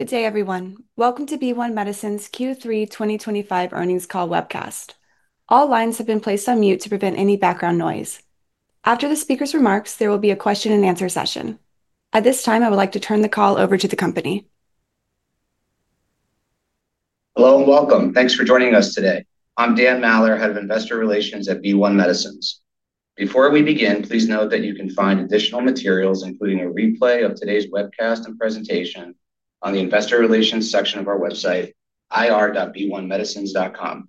Good day, everyone. Welcome to BeOne Medicines' Q3 2025 earnings call webcast. All lines have been placed on mute to prevent any background noise. After the speaker's remarks, there will be a question-and-answer session. At this time, I would like to turn the call over to the company. Hello and welcome. Thanks for joining us today. I'm Dan Maller, Head of Investor Relations at BeOne Medicines. Before we begin, please note that you can find additional materials, including a replay of today's webcast and presentation, on the Investor Relations section of our website, ir.beonemedicines.com.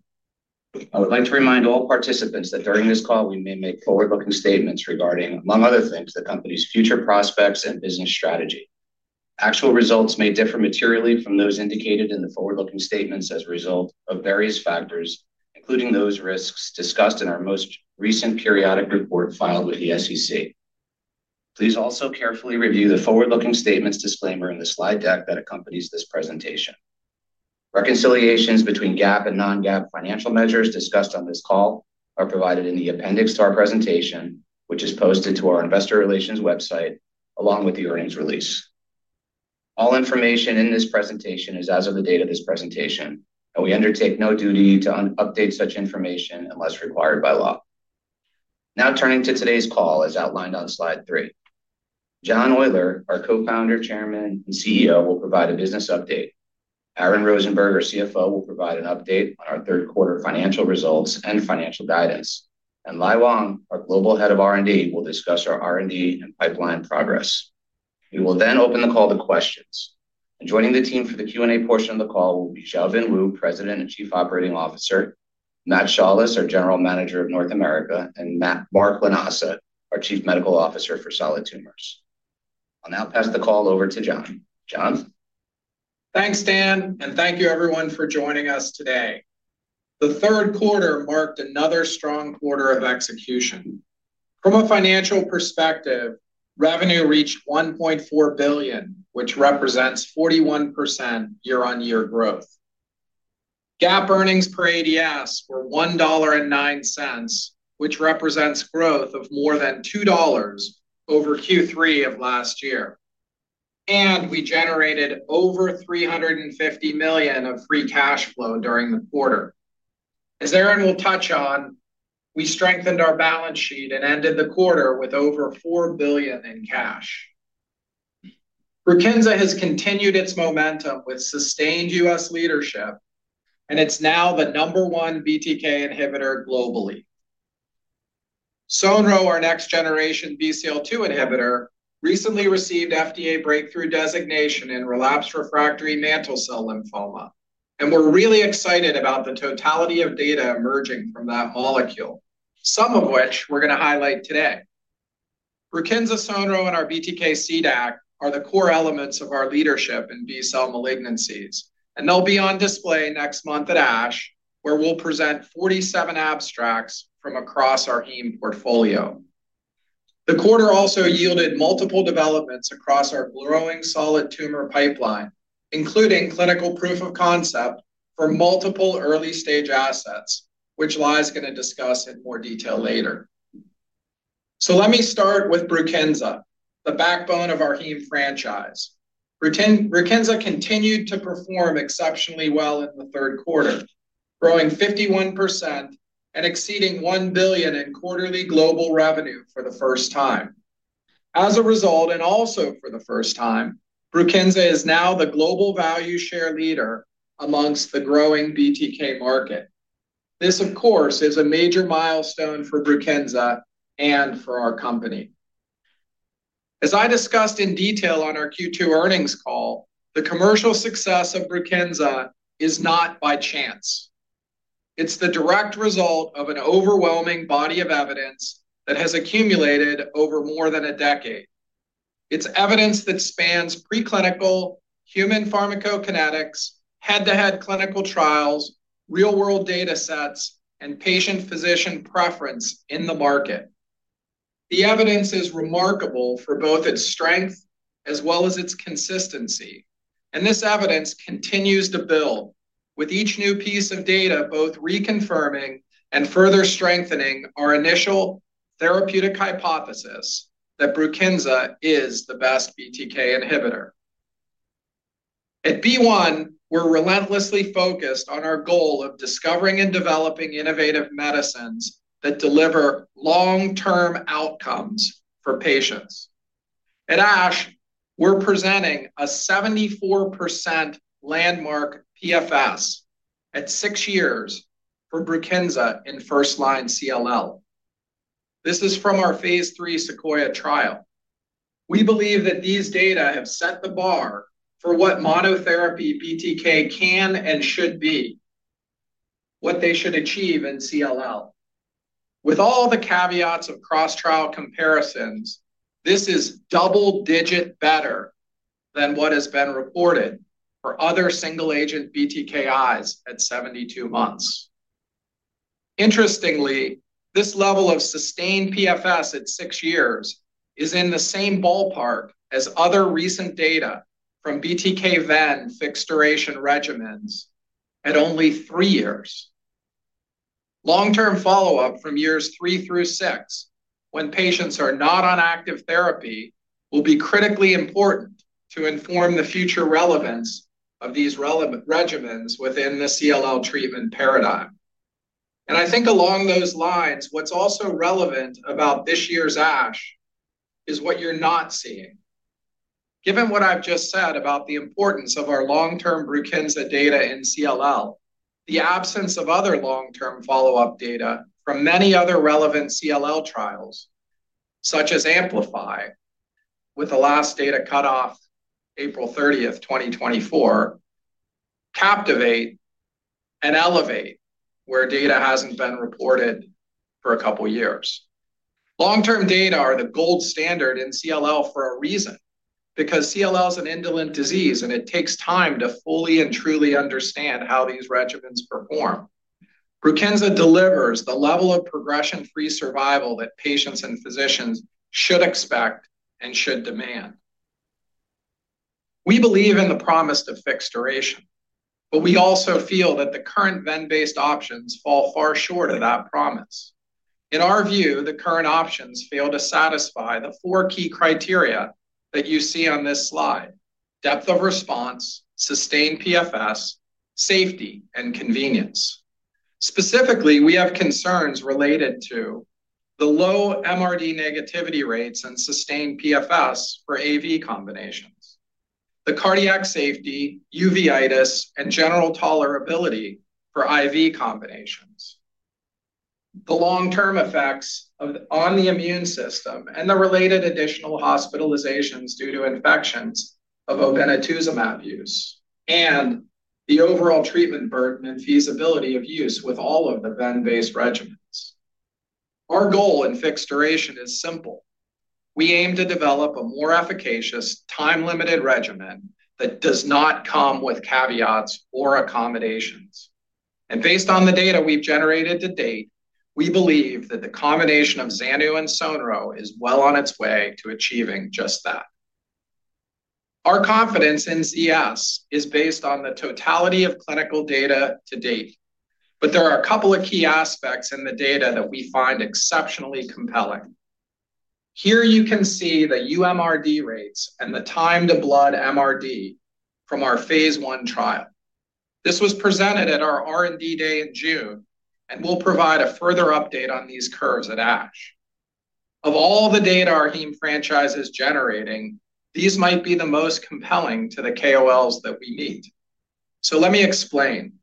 I would like to remind all participants that during this call, we may make forward-looking statements regarding, among other things, the company's future prospects and business strategy. Actual results may differ materially from those indicated in the forward-looking statements as a result of various factors, including those risks discussed in our most recent periodic report filed with the SEC. Please also carefully review the forward-looking statements disclaimer in the slide deck that accompanies this presentation. Reconciliations between GAAP and non-GAAP financial measures discussed on this call are provided in the appendix to our presentation, which is posted to our Investor Relations website along with the earnings release. All information in this presentation is as of the date of this presentation, and we undertake no duty to update such information unless required by law. Now turning to today's call, as outlined on slide three, John Oyler, our Co-founder, Chairman, and CEO, will provide a business update. Aaron Rosenberg, our CFO, will provide an update on our third-quarter financial results and financial guidance. Lai Wang, our Global Head of R&D, will discuss our R&D and pipeline progress. We will then open the call to questions. Joining the team for the Q&A portion of the call will be Xiaobin Wu, President and Chief Operating Officer, Matt Shaulis, our General Manager of North America, and Mark Lanasa, our Chief Medical Officer for solid tumors. I'll now pass the call over to John. John? Thanks, Dan, and thank you, everyone, for joining us today. The third quarter marked another strong quarter of execution. From a financial perspective, revenue reached $1.4 billion, which represents 41% year-on-year growth. GAAP earnings per ADS were $1.09, which represents growth of more than $2 over Q3 of last year. We generated over $350 million of free cash flow during the quarter. As Aaron will touch on, we strengthened our balance sheet and ended the quarter with over $4 billion in cash. BRUKINSA® has continued its momentum with sustained U.S. leadership, and it's now the number one BTK inhibitor globally. Sonro, our next-generation BCL2 inhibitor, recently received FDA breakthrough designation in relapsed refractory mantle cell lymphoma, and we're really excited about the totality of data emerging from that molecule, some of which we're going to highlight today. BRUKINSA®, Sonro, and our BTK-CDAC are the core elements of our leadership in B cell malignancies, and they'll be on display next month at ASH, where we'll present 47 abstracts from across our Heme Portfolio. The quarter also yielded multiple developments across our growing Solid Tumor Pipeline, including clinical proof of concept for multiple early-stage assets, which Lai is going to discuss in more detail later. Let me start with BRUKINSA®, the backbone of our Heme franchise. BRUKINSA® continued to perform exceptionally well in the third quarter, growing 51% and exceeding $1 billion in quarterly global revenue for the first time. As a result, and also for the first time, BRUKINSA® is now the global value share leader amongst the growing BTK market. This, of course, is a major milestone for BRUKINSA® and for our company. As I discussed in detail on our Q2 earnings call, the commercial success of BRUKINSA® is not by chance. It's the direct result of an overwhelming body of evidence that has accumulated over more than a decade. It's evidence that spans preclinical, human pharmacokinetics, head-to-head clinical trials, real-world data sets, and patient-physician preference in the market. The evidence is remarkable for both its strength as well as its consistency, and this evidence continues to build, with each new piece of data both reconfirming and further strengthening our initial therapeutic hypothesis that BRUKINSA® is the best BTK inhibitor. At BeOne, we're relentlessly focused on our goal of discovering and developing innovative medicines that deliver long-term outcomes for patients. At ASH, we're presenting a 74% landmark PFS at six years for BRUKINSA® in first-line CLL. This is from our phase III Sequoia trial. We believe that these data have set the bar for what monotherapy BTK can and should be, what they should achieve in CLL. With all the caveats of cross-trial comparisons, this is double-digit better than what has been reported for other single-agent BTKIs at 72 months. Interestingly, this level of sustained PFS at six years is in the same ballpark as other recent data from BTK ven fixed-duration regimens at only three years. Long-term follow-up from years three through six, when patients are not on active therapy, will be critically important to inform the future relevance of these regimens within the CLL treatment paradigm. I think along those lines, what's also relevant about this year's ASH is what you're not seeing. Given what I've just said about the importance of our long-term BRUKINSA® data in CLL, the absence of other long-term follow-up data from many other relevant CLL trials, such as Amplify, with the last data cutoff April 30, 2024. Captivate and Elevate, where data hasn't been reported for a couple of years. Long-term data are the gold standard in CLL for a reason, because CLL is an indolent disease, and it takes time to fully and truly understand how these regimens perform. BRUKINSA® delivers the level of progression-free survival that patients and physicians should expect and should demand. We believe in the promise of fixed duration, but we also feel that the current ven-based options fall far short of that promise. In our view, the current options fail to satisfy the four key criteria that you see on this slide: depth of response, sustained PFS, safety, and convenience. Specifically, we have concerns related to the low MRD negativity rates and sustained PFS for AV combinations, the cardiac safety, uveitis, and general tolerability for IV combinations. The long-term effects on the immune system and the related additional hospitalizations due to infections of obinutuzumab use, and the overall treatment burden and feasibility of use with all of the ven-based regimens. Our goal in fixed duration is simple. We aim to develop a more efficacious, time-limited regimen that does not come with caveats or accommodations. Based on the data we've generated to date, we believe that the combination of Zanu and Sonro is well on its way to achieving just that. Our confidence in ZS is based on the totality of clinical data to date, but there are a couple of key aspects in the data that we find exceptionally compelling. Here you can see the UMRD rates and the time-to-blood MRD from our phase I trial. This was presented at our R&D day in June, and we'll provide a further update on these curves at ASH. Of all the data our Heme Franchise is generating, these might be the most compelling to the KOLs that we meet. Let me explain.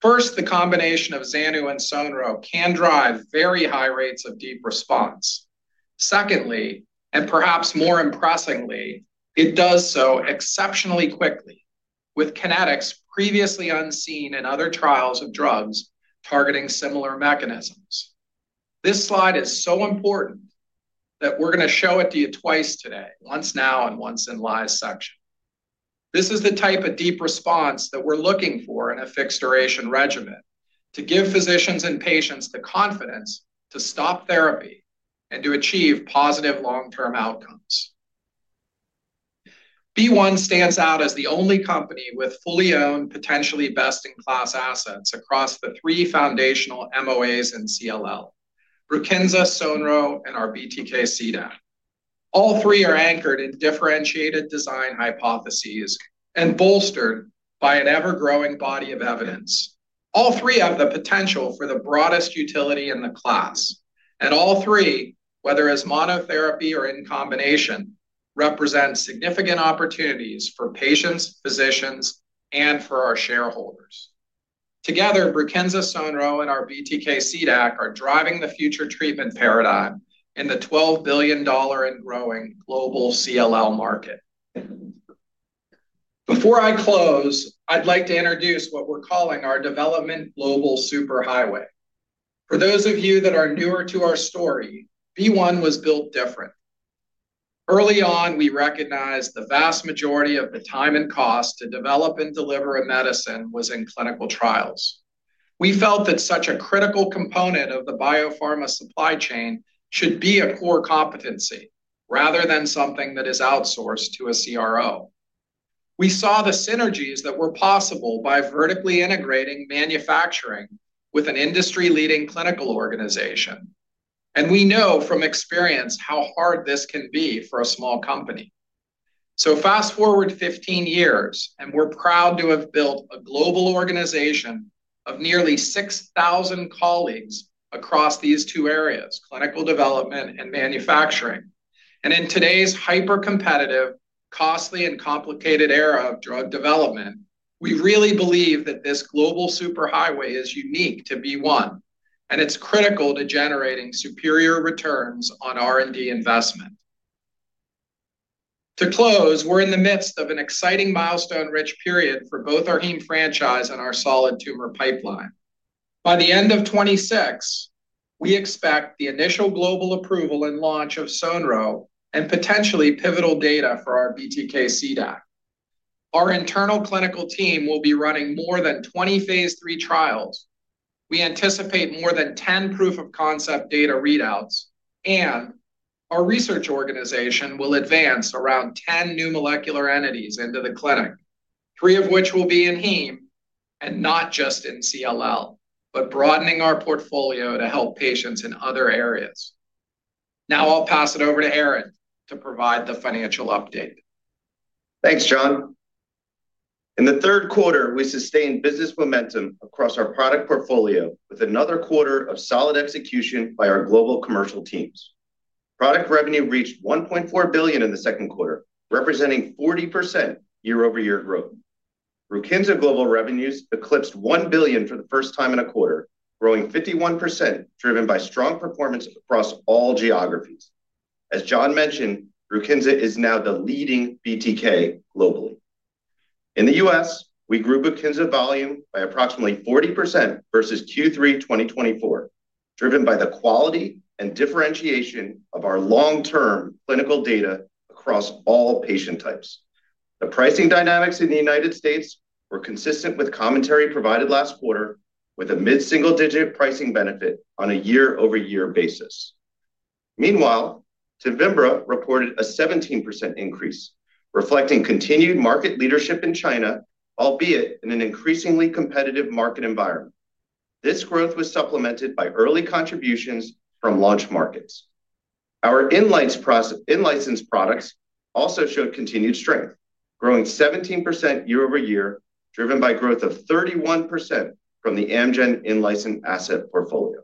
First, the combination of Zanu and Sonro can drive very high rates of deep response. Secondly, and perhaps more impressively, it does so exceptionally quickly, with kinetics previously unseen in other trials of drugs targeting similar mechanisms. This slide is so important that we're going to show it to you twice today, once now and once in Lai's section. This is the type of deep response that we're looking for in a fixed-duration regimen to give physicians and patients the confidence to stop therapy and to achieve positive long-term outcomes. BeOne stands out as the only company with fully owned, potentially best-in-class assets across the three foundational MOAs in CLL: BRUKINSA®, Sonro, and our BTK-CDAC. All three are anchored in differentiated design hypotheses and bolstered by an ever-growing body of evidence. All three have the potential for the broadest utility in the class, and all three, whether as monotherapy or in combination, represent significant opportunities for patients, physicians, and for our shareholders. Together, BRUKINSA®, Sonro, and our BTK-CDAC are driving the future treatment paradigm in the $12 billion and growing global CLL market. Before I close, I'd like to introduce what we're calling our development global superhighway. For those of you that are newer to our story, BeOne was built different. Early on, we recognized the vast majority of the time and cost to develop and deliver a medicine was in clinical trials. We felt that such a critical component of the biopharma supply chain should be a core competency rather than something that is outsourced to a CRO. We saw the synergies that were possible by vertically integrating manufacturing with an industry-leading clinical organization, and we know from experience how hard this can be for a small company. Fast forward 15 years, and we're proud to have built a global organization of nearly 6,000 colleagues across these two areas: clinical development and manufacturing. In today's hyper-competitive, costly, and complicated era of drug development, we really believe that this global superhighway is unique to BeOne, and it's critical to generating superior returns on R&D investment. To close, we're in the midst of an exciting milestone-rich period for both our heme franchise and our solid tumor pipeline. By the end of 2026, we expect the initial global approval and launch of Sonro and potentially pivotal data for our BTK-CDAC. Our internal clinical team will be running more than 20 phase three trials. We anticipate more than 10 proof of concept data readouts, and our research organization will advance around 10 new molecular entities into the clinic, three of which will be in heme and not just in CLL, but broadening our portfolio to help patients in other areas. Now I'll pass it over to Aaron to provide the financial update. Thanks, John. In the third quarter, we sustained business momentum across our product portfolio with another quarter of solid execution by our global commercial teams. Product revenue reached $1.4 billion in the second quarter, representing 40% year-over-year growth. BRUKINSA® global revenues eclipsed $1 billion for the first time in a quarter, growing 51%, driven by strong performance across all geographies. As John mentioned, BRUKINSA® is now the leading BTK globally. In the U.S., we grew BRUKINSA® volume by approximately 40% vs Q3 2024, driven by the quality and differentiation of our long-term clinical data across all patient types. The pricing dynamics in the U.S. were consistent with commentary provided last quarter, with a mid-single-digit pricing benefit on a year-over-year basis. Meanwhile, TEVIMBRA reported a 17% increase, reflecting continued market leadership in China, albeit in an increasingly competitive market environment. This growth was supplemented by early contributions from launch markets. Our in-license products also showed continued strength, growing 17% year-over-year, driven by growth of 31% from the Amgen In-Licensed Asset Portfolio.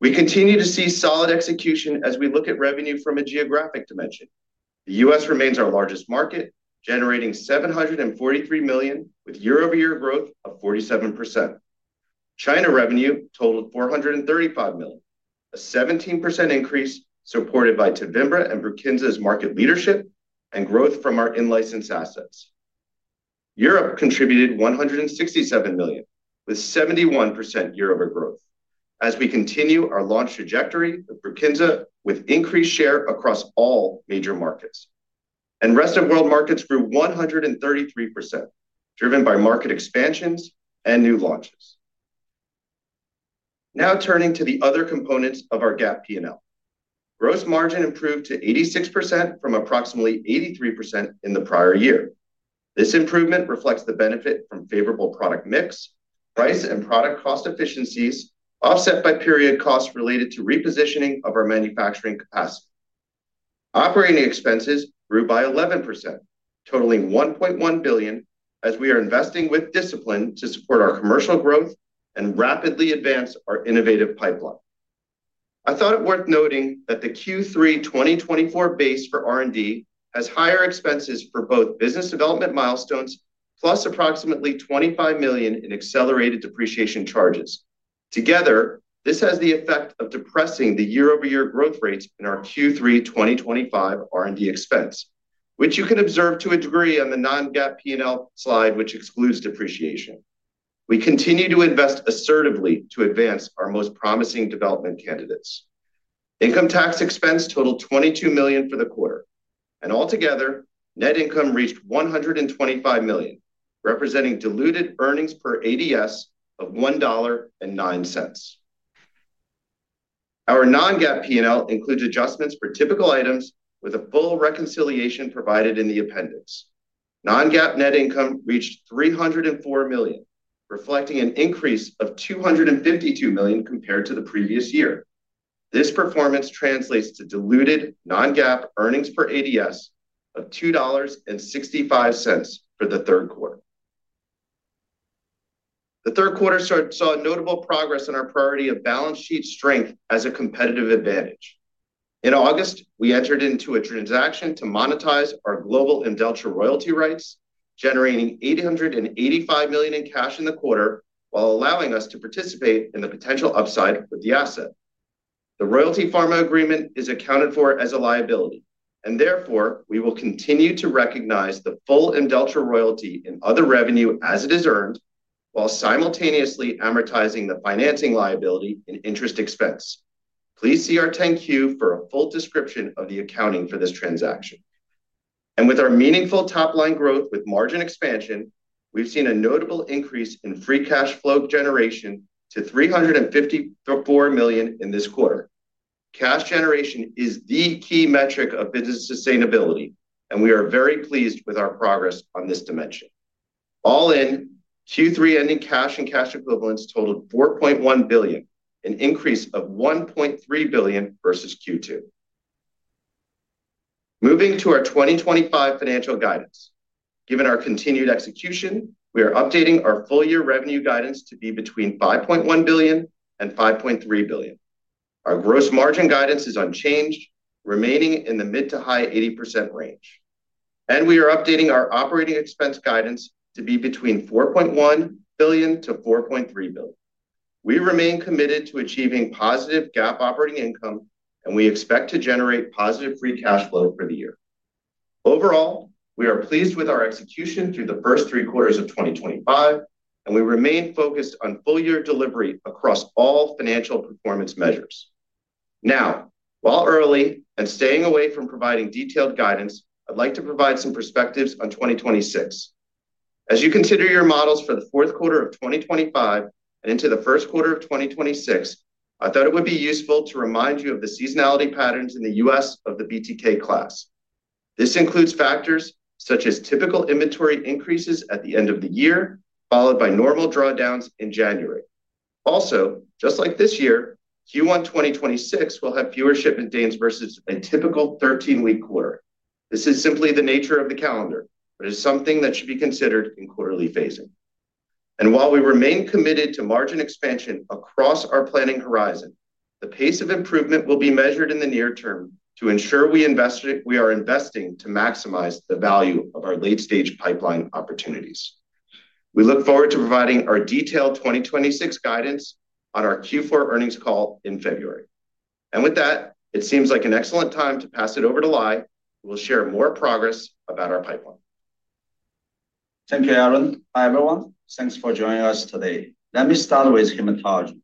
We continue to see solid execution as we look at revenue from a geographic dimension. The U.S. remains our largest market, generating $743 million with year-over-year growth of 47%. China revenue totaled $435 million, a 17% increase supported by TEVIMBRA and BRUKINSA®'s market leadership and growth from our in-license assets. Europe contributed $167 million, with 71% year-over-year growth. As we continue our launch trajectory, BRUKINSA® with increased share across all major markets. Rest of world markets grew 133%, driven by market expansions and new launches. Now turning to the other components of our GAAP P&L. Gross margin improved to 86% from approximately 83% in the prior year. This improvement reflects the benefit from favorable product mix, price, and product cost efficiencies, offset by period costs related to repositioning of our manufacturing capacity. Operating expenses grew by 11%, totaling $1.1 billion, as we are investing with discipline to support our commercial growth and rapidly advance our innovative pipeline. I thought it worth noting that the Q3 2024 base for R&D has higher expenses for both business development milestones, plus approximately $25 million in accelerated depreciation charges. Together, this has the effect of depressing the year-over-year growth rates in our Q3 2025 R&D expense, which you can observe to a degree on the non-GAAP P&L slide, which excludes depreciation. We continue to invest assertively to advance our most promising development candidates. Income tax expense totaled $22 million for the quarter, and altogether, net income reached $125 million, representing diluted earnings per ADS of $1.09. Our non-GAAP P&L includes adjustments for typical items with a full reconciliation provided in the appendix. Non-GAAP net income reached $304 million, reflecting an increase of $252 million compared to the previous year. This performance translates to diluted non-GAAP earnings per ADS of $2.65 for the third quarter. The third quarter saw notable progress in our priority of balance sheet strength as a competitive advantage. In August, we entered into a transaction to monetize our global indulger royalty rights, generating $885 million in cash in the quarter while allowing us to participate in the potential upside with the asset. The Royalty Pharma agreement is accounted for as a liability, and therefore, we will continue to recognize the full indulger royalty in other revenue as it is earned while simultaneously amortizing the financing liability in interest expense. Please see our 10-Q for a full description of the accounting for this transaction. With our meaningful top-line growth with margin expansion, we've seen a notable increase in free cash flow generation to $354 million in this quarter. Cash generation is the key metric of business sustainability, and we are very pleased with our progress on this dimension. All in, Q3 ending cash and cash equivalents totaled $4.1 billion, an increase of $1.3 billion vs Q2. Moving to our 2025 financial guidance. Given our continued execution, we are updating our full-year revenue guidance to be between $5.1 billion and $5.3 billion. Our gross margin guidance is unchanged, remaining in the mid to high 80% range. We are updating our operating expense guidance to be between $4.1 billion-$4.3 billion. We remain committed to achieving positive GAAP operating income, and we expect to generate positive free cash flow for the year. Overall, we are pleased with our execution through the first three quarters of 2025, and we remain focused on full-year delivery across all financial performance measures. Now, while early and staying away from providing detailed guidance, I'd like to provide some perspectives on 2026. As you consider your models for the fourth quarter of 2025 and into the first quarter of 2026, I thought it would be useful to remind you of the seasonality patterns in the U.S. of the BTK class. This includes factors such as typical inventory increases at the end of the year, followed by normal drawdowns in January. Also, just like this year, Q1 2026 will have fewer shipment days versus a typical 13-week quarter. This is simply the nature of the calendar, but it is something that should be considered in quarterly phasing. While we remain committed to margin expansion across our planning horizon, the pace of improvement will be measured in the near term to ensure we are investing to maximize the value of our late-stage pipeline opportunities. We look forward to providing our detailed 2026 guidance on our Q4 earnings call in February. With that, it seems like an excellent time to pass it over to Lai, who will share more progress about our pipeline. Thank you, Aaron. Hi, everyone. Thanks for joining us today. Let me start with Hematology.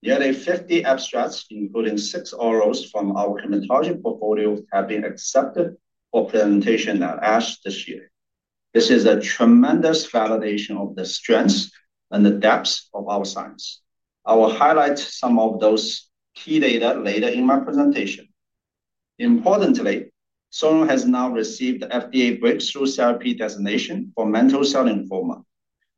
Nearly 50 abstracts, including six OROs from our Hematology Portfolio, have been accepted for presentation at ASH this year. This is a tremendous validation of the strengths and the depths of our science. I will highlight some of those key data later in my presentation. Importantly, Sonro has now received the FDA breakthrough CRP designation for mantle cell lymphoma.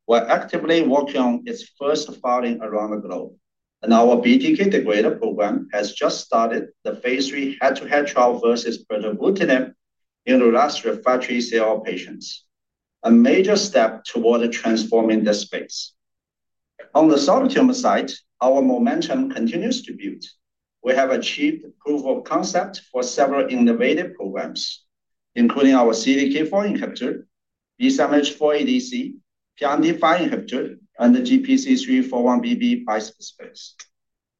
We're actively working on its first filing around the globe, and our BTK degrader program has just started the phase III head-to-head trial vs zanubrutinib in the last refractory CLL patients. A major step toward transforming this space. On the solid tumor side, our momentum continues to build. We have achieved proof of concept for several innovative programs, including our CDK4 inhibitor, B7-H4 ADC, PRMT5 inhibitor, and the GPC3-41BB bispecific.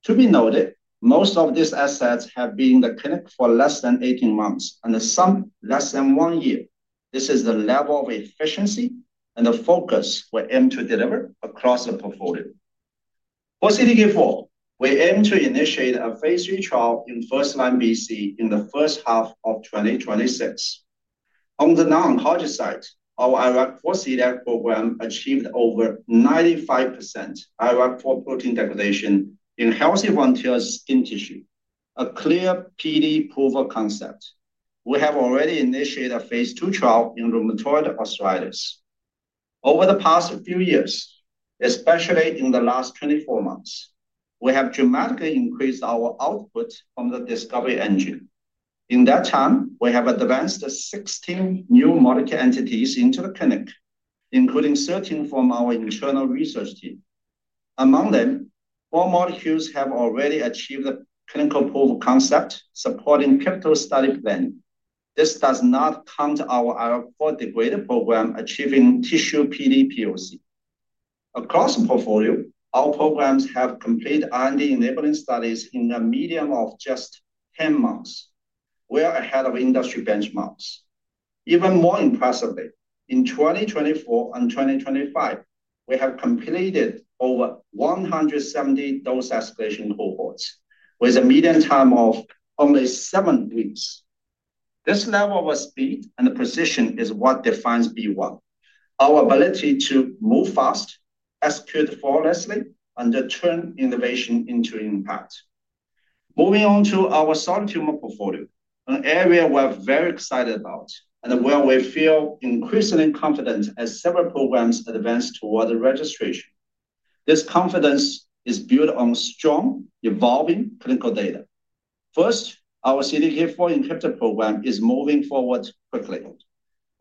To be noted, most of these assets have been in the clinic for less than 18 months and some less than one year. This is the level of efficiency and the focus we aim to deliver across the portfolio. For CDK4, we aim to initiate a phase III trial in first-line BC in the first half of 2026. On the non-oncology side, our IRAC4 CDAC program achieved over 95% IRAC4 protein degradation in healthy volunteers' skin tissue, a clear PD proof of concept. We have already initiated a phase II trial in Rheumatoid Arthritis. Over the past few years, especially in the last 24 months, we have dramatically increased our output from the discovery engine. In that time, we have advanced 16 new molecular entities into the clinic, including 13 from our internal research team. Among them, four molecules have already achieved a clinical proof of concept supporting peptide study plan. This does not count our IRAC4 Degrader Program achieving tissue PD PoC. Across the portfolio, our programs have completed R&D enabling studies in a median of just 10 months. We are ahead of industry benchmarks. Even more impressively, in 2024 and 2025, we have completed over 170 dose escalation cohorts with a median time of only seven weeks. This level of speed and precision is what defines BeOne, our ability to move fast, execute flawlessly, and turn innovation into impact. Moving on to our Solid Tumor Portfolio, an area we're very excited about and where we feel increasingly confident as several programs advance toward registration. This confidence is built on strong, evolving clinical data. First, our CDK4 inhibitor program is moving forward quickly.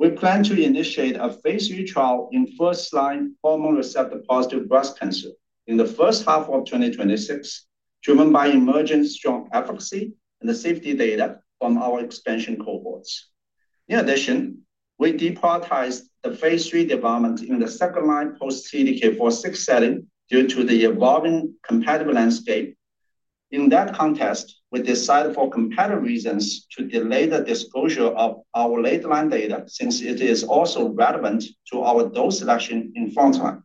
We plan to initiate a phase three trial in first-line hormone-receptor-positive breast cancer in the first half of 2026, driven by emerging strong efficacy and the safety data from our expansion cohorts. In addition, we deprioritized the phase three development in the second-line post-CDK4/6 setting due to the evolving competitive landscape. In that context, we decided for competitive reasons to delay the disclosure of our late-line data since it is also relevant to our dose selection in frontline.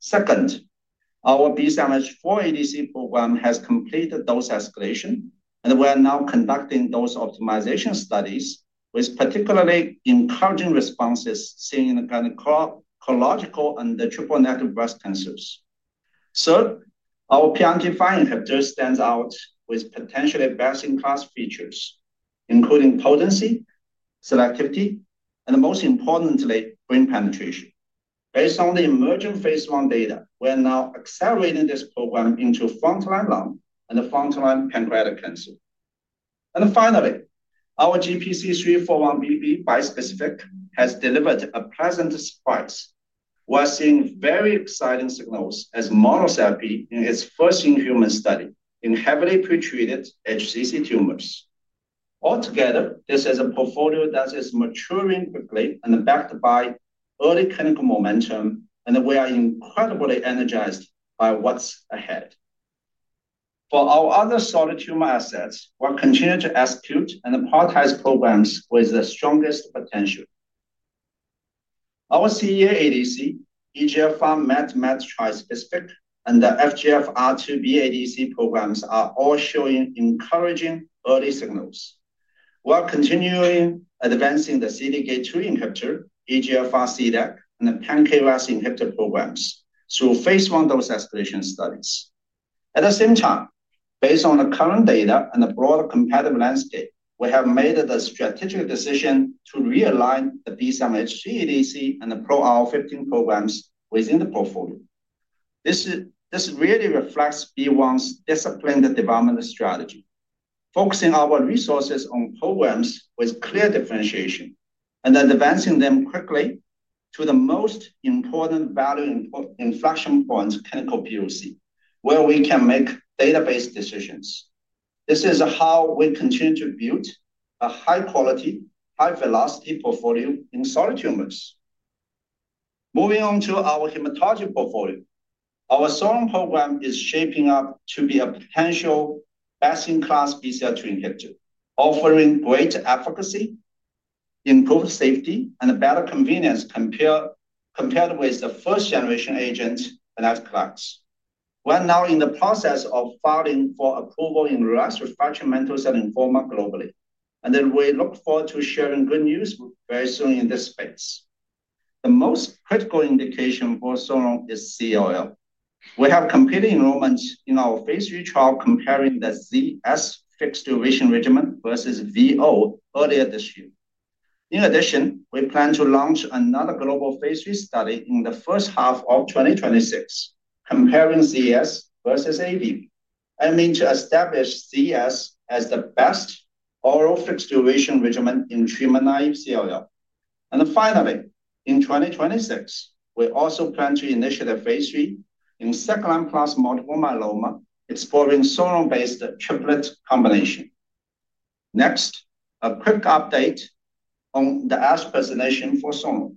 Second, our B7-H4 ADC program has completed dose escalation, and we are now conducting dose optimization studies with particularly encouraging responses seen in the gynecological and the triple-negative breast cancers. Third, our PRMT5 inhibitor stands out with potentially best-in-class features, including potency, selectivity, and most importantly, brain penetration. Based on the emerging phase one data, we are now accelerating this program into frontline lung and the frontline pancreatic cancer. Our GPC341BB bispecific has delivered a pleasant surprise. We're seeing very exciting signals as monotherapy in its first in-human study in heavily pretreated HCC tumors. Altogether, this is a portfolio that is maturing quickly and backed by early clinical momentum, and we are incredibly energized by what's ahead. For our other solid tumor assets, we'll continue to execute and prioritize programs with the strongest potential. Our CEA ADC, EGFR MET MET trispecific, and the FGFR2B ADC programs are all showing encouraging early signals. We're continuing advancing the CDK2 inhibitor, EGFR CDAC, and the pancreas inhibitor programs through phase one dose escalation studies. At the same time, based on the current data and the broader competitive landscape, we have made the strategic decision to realign the BCMH3 ADC and the PROR15 programs within the portfolio. This really reflects BeOne Medicines' disciplined development strategy, focusing our resources on programs with clear differentiation and advancing them quickly to the most important value inflection points, clinical PoC, where we can make database decisions. This is how we continue to build a high-quality, high-velocity portfolio in solid tumors. Moving on to our Hematology Portfolio, our Sonro program is shaping up to be a potential best-in-class BCL2 inhibitor, offering great efficacy, improved safety, and better convenience compared with the first-generation agent and FCLACS. We're now in the process of filing for approval in the last refractory mantle cell lymphoma globally, and then we look forward to sharing good news very soon in this space. The most critical indication for Sonro is CLL. We have completed enrollment in our phase three trial comparing the Zanu fixed duration regimen vs VO earlier this year. In addition, we plan to launch another global phase three study in the first half of 2026, comparing ZS vs AV, aiming to establish ZS as the best oral fixed duration regimen in treatment line CLL. Finally, in 2026, we also plan to initiate a phase three in second-line plus multiple myeloma, exploring Sonro-based triplet combination. Next, a quick update on the ASH presentation for Sonro.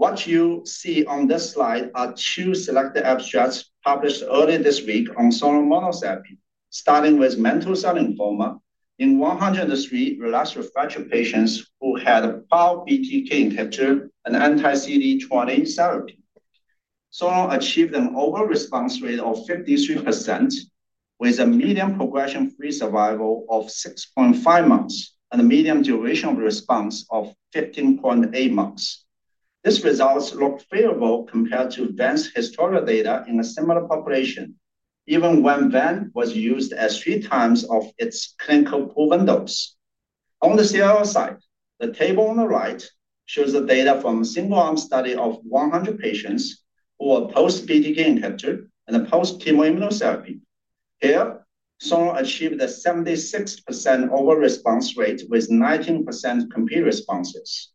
What you see on this slide are two selected abstracts published early this week on Sonro monotherapy, starting with mantle cell lymphoma in 103 relapsed refractory patients who had a PAL BTK inhibitor and anti-CD20 therapy. Sonro achieved an overall response rate of 53%, with a median progression-free survival of 6.5 months and a median duration of response of 15.8 months. These results look favorable compared to VEN's historical data in a similar population, even when VEN was used at 3x its clinically proven dose. On the CLL side, the table on the right shows the data from a single-arm study of 100 patients who were post-BTK inhibitor and post-chemoimmunotherapy. Here, Sonro achieved a 76% overall response rate with 19% complete responses.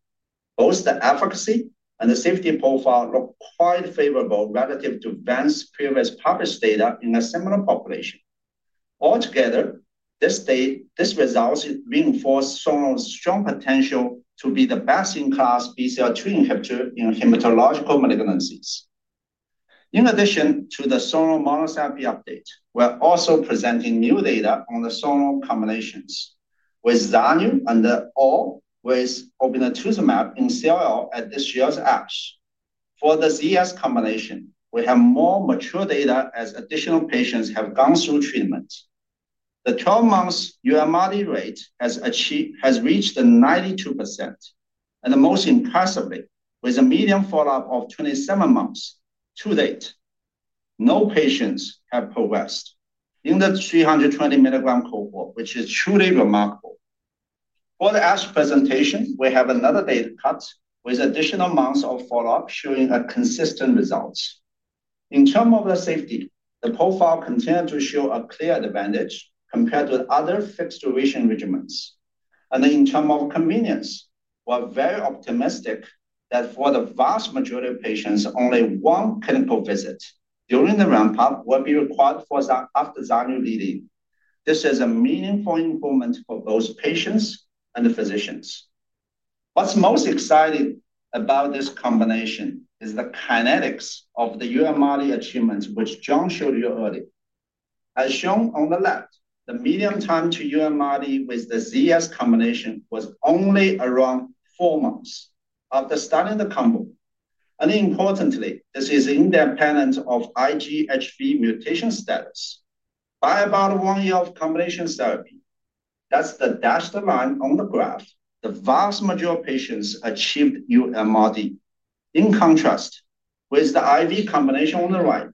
Both the efficacy and the safety profile look quite favorable relative to VEN's previously published data in a similar population. Altogether, this result reinforces Sonro's strong potential to be the best-in-class BCL2 inhibitor in hematological malignancies. In addition to the Sonro monotherapy update, we're also presenting new data on the Sonro combinations, with Zanu and the OR with obinutuzumab in CLL at this year's ASH. For the ZS combination, we have more mature data as additional patients have gone through treatment. The 12-month UMRD rate has reached 92%. Most impressively, with a median follow-up of 27 months to date, no patients have progressed in the 320 mg cohort, which is truly remarkable. For the ASH presentation, we have another data cut with additional months of follow-up showing consistent results. In terms of the safety, the profile continues to show a clear advantage compared to other fixed duration regimens. In terms of convenience, we're very optimistic that for the vast majority of patients, only one clinical visit during the ramp-up will be required after Zanu leading. This is a meaningful improvement for both patients and the physicians. What's most exciting about this combination is the kinetics of the UMRD achievement, which John showed you earlier. As shown on the left, the median time to UMRD with the Zanu combination was only around four months after starting the combo. Importantly, this is independent of IgHB mutation status. By about one year of combination therapy, that is the dashed line on the graph, the vast majority of patients achieved UMRD. In contrast, with the IV combination on the right,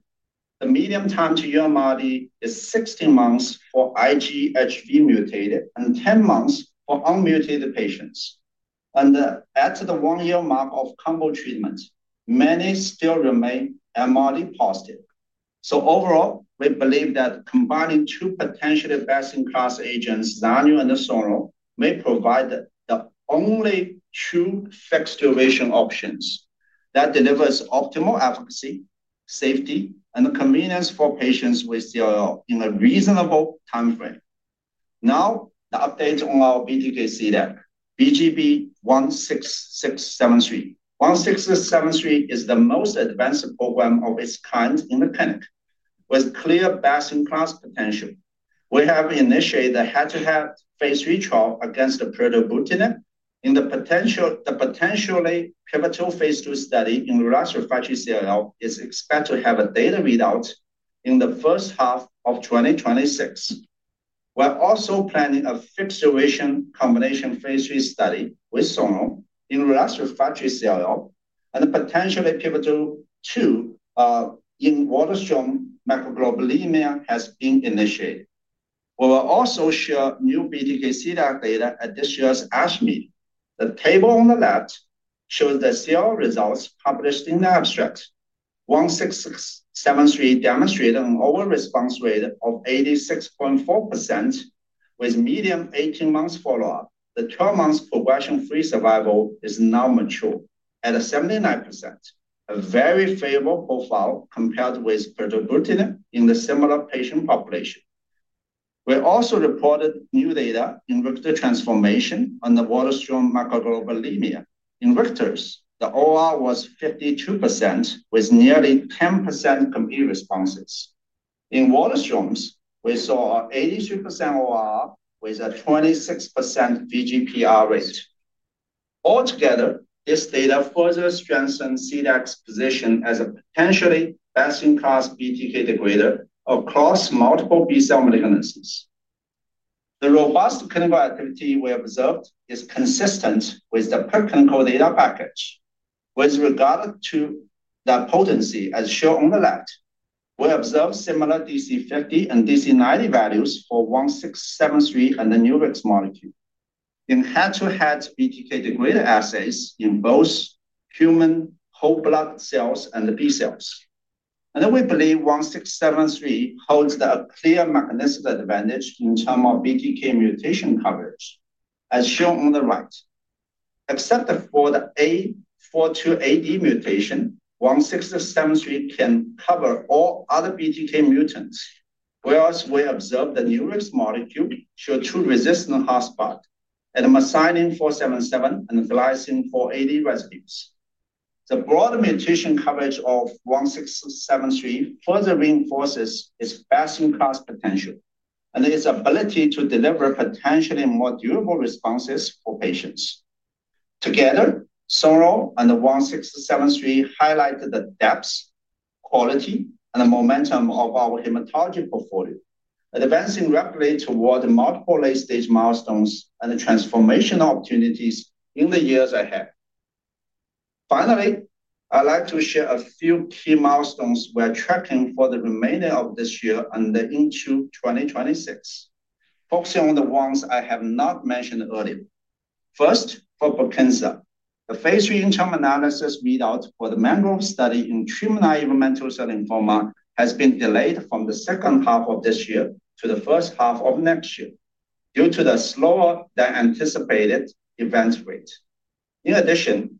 the median time to UMRD is 16 months for IgHB mutated and 10 months for unmutated patients. After the one-year mark of combo treatment, many still remain MRD positive. Overall, we believe that combining two potentially best-in-class agents, Zanu and Sonro, may provide the only two fixed duration options that deliver optimal efficacy, safety, and convenience for patients with CLL in a reasonable timeframe. Now, the update on our BTK CDAC, BGB-16673. 16673 is the most advanced program of its kind in the clinic with clear best-in-class potential. We have initiated the head-to-head phase three trial against beta-glutinib and the potentially pivotal phase two study in relapsed refractory CLL is expected to have a data readout in the first half of 2026. We're also planning a fixed duration combination phase III study with Sonro in relapsed refractory CLL, and the potentially pivotal two. In Waldenström macroglobulinemia has been initiated. We will also share new BTK CDAC data at this year's ASH meeting. The table on the left shows the CLL results published in the abstract. BGB-16673 demonstrated an overall response rate of 86.4%. With median 18 months follow-up, the 12-month progression-free survival is now mature at 79%, a very favorable profile compared with beta-glutinib in the similar patient population. We also reported new data in Richter transformation and in Waldenström macroglobulinemia. In Richter's, the OR was 52% with nearly 10% complete responses. In water-strums, we saw an 83% OR with a 26% VGPR rate. Altogether, this data further strengthens CDAC's position as a potentially best-in-class BTK degrader across multiple BCL malignancies. The robust clinical activity we observed is consistent with the pre-clinical data package. With regard to the potency, as shown on the left, we observed similar DC50 and DC90 values for 16673 and the nuvex molecule in head-to-head BTK degrader assays in both human whole blood cells and the B cells. We believe 16673 holds a clear mechanistic advantage in terms of BTK mutation coverage, as shown on the right. Except for the A42AD mutation, 16673 can cover all other BTK mutants. Whereas we observed the nuvex molecule showed two resistant hotspots at methionine 477 and glycine 480 residues. The broad mutation coverage of 1673 further reinforces its best-in-class potential and its ability to deliver potentially more durable responses for patients. Together, Sonro and the 1673 highlighted the depth, quality, and the momentum of our hematology portfolio, advancing rapidly toward multiple late-stage milestones and the transformational opportunities in the years ahead. Finally, I'd like to share a few key milestones we're tracking for the remainder of this year and into 2026, focusing on the ones I have not mentioned earlier. First, for Bakensa, the phase III interim analysis readout for the Mangrove study in treatment line evidential cell lymphoma has been delayed from the second half of this year to the first half of next year due to the slower-than-anticipated event rate. In addition.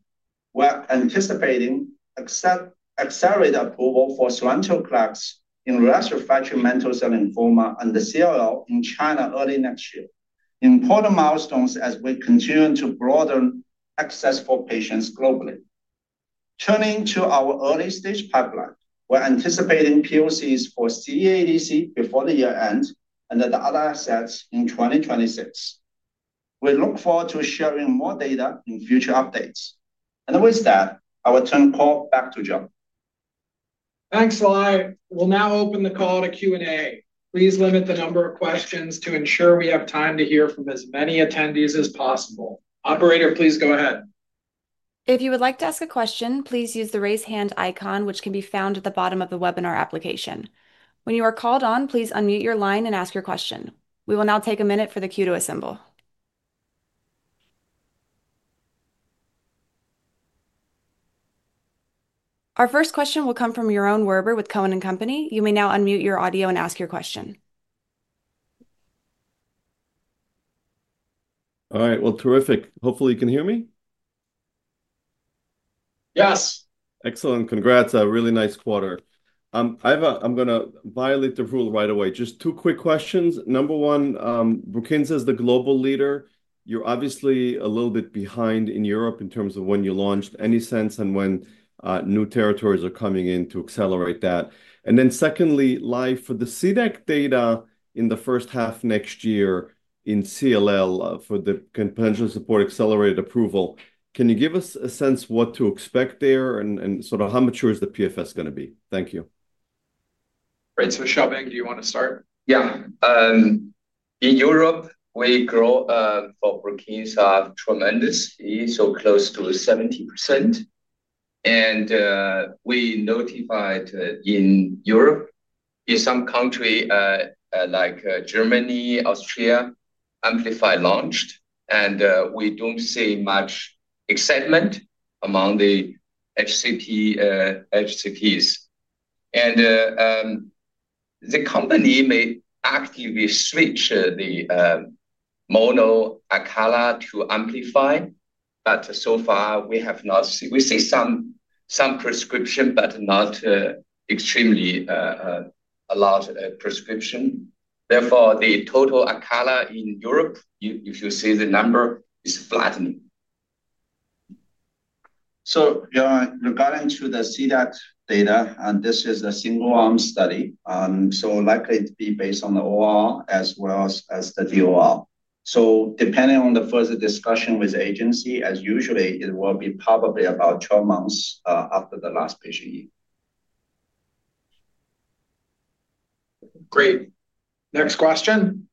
We're anticipating accelerated approval for Xylantho CLACS in relapsed refractory mantle cell lymphoma and the CLL in China early next year, important milestones as we continue to broaden access for patients globally. Turning to our early-stage pipeline, we're anticipating PoCs for CEA ADC before the year end and the other assets in 2026. We look forward to sharing more data in future updates. With that, I will turn the call back to John. Thanks, Lai. We'll now open the call to Q&A. Please limit the number of questions to ensure we have time to hear from as many attendees as possible. Operator, please go ahead. If you would like to ask a question, please use the raise hand icon, which can be found at the bottom of the webinar application. When you are called on, please unmute your line and ask your question. We will now take a minute for the queue to assemble. Our first question will come from Yaron Werber with Cohen and Company. You may now unmute your audio and ask your question. All right. Terrific. Hopefully, you can hear me. Yes. Excellent. Congrats. Really nice quarter. I'm going to violate the rule right away. Just two quick questions. Number one, Bakensa is the global leader. You're obviously a little bit behind in Europe in terms of when you launched NESENSE and when. New territories are coming in to accelerate that. Secondly, Lai, for the CDAC data in the first half next year in CLL for the potential support accelerated approval, can you give us a sense of what to expect there and sort of how mature is the PFS going to be? Thank you. All right. Xiaobin, do you want to start? Yeah. In Europe, we grow for Bakensa tremendously, so close to 70%. We notified in Europe, in some countries like Germany, Austria, Amplify launched, and we do not see much excitement among the HCTs. The company may actively switch the mono-ACALA to Amplify, but so far, we have not seen, we see some prescription, but not extremely a large prescription. Therefore, the total ACALA in Europe, if you see the number, is flattening. Regarding the CDAC data, this is a single-arm study, so likely to be based on the OR as well as the DOR. Depending on the further discussion with the agency, as usually, it will be probably about 12 months after the last patient year. Great. Next question.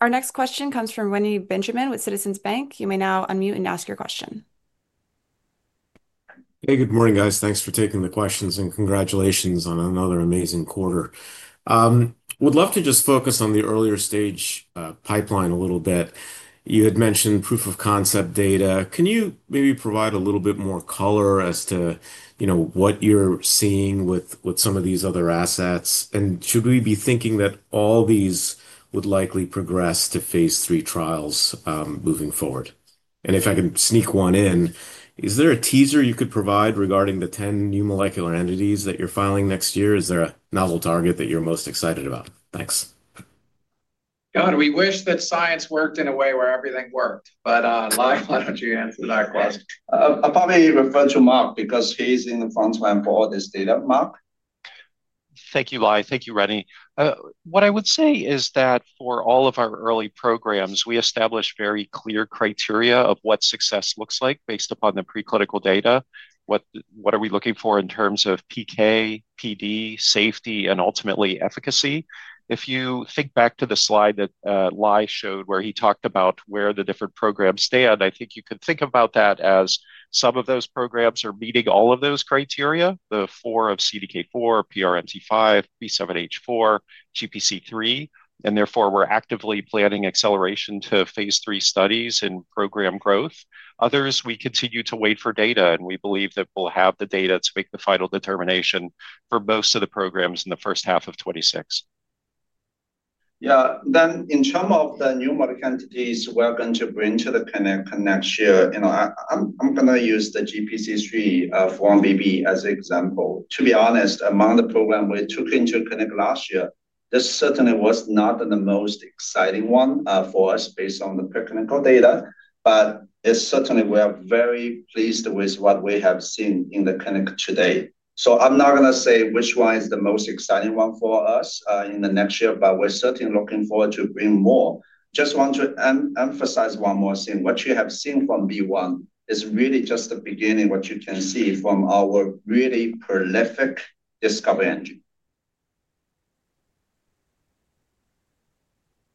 Our next question comes from Reni Benjamin with Citizens Bank. You may now unmute and ask your question. Hey, good morning, guys. Thanks for taking the questions, and congratulations on another amazing quarter. Would love to just focus on the earlier stage pipeline a little bit. You had mentioned proof of concept data. Can you maybe provide a little bit more color as to what you're seeing with some of these other assets? Should we be thinking that all these would likely progress to phase three trials moving forward? If I can sneak one in, is there a teaser you could provide regarding the 10 new molecular entities that you're filing next year? Is there a novel target that you're most excited about? Thanks. God, we wish that science worked in a way where everything worked, but Lai, why don't you answer that question? I'll probably refer to Mark because he's in the front line for this data, Mark? Thank you, Lai. Thank you, Reni. What I would say is that for all of our early programs, we established very clear criteria of what success looks like based upon the preclinical data. What are we looking for in terms of PK, PD, safety, and ultimately efficacy? If you think back to the slide that Lai showed where he talked about where the different programs stand, I think you could think about that as some of those programs are meeting all of those criteria, the four of CDK4, PRMT5, B7-H4, GPC3, and therefore, we're actively planning acceleration to phase three studies and program growth. Others, we continue to wait for data, and we believe that we'll have the data to make the final determination for most of the programs in the first half of 2026. Yeah. In terms of the new molecular entities we're going to bring to the clinic next year, I'm going to use the GPC3 for one baby as an example. To be honest, among the programs we took into clinic last year, this certainly was not the most exciting one for us based on the preclinical data, but certainly, we are very pleased with what we have seen in the clinic today. I'm not going to say which one is the most exciting one for us in the next year, but we're certainly looking forward to bringing more. I just want to emphasize one more thing. What you have seen from BeOne Medicines is really just the beginning, what you can see from our really prolific discovery engine.